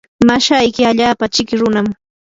mashayki allaapa chiki runam.